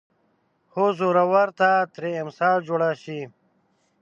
هو زورور ته ترې امسا جوړه شي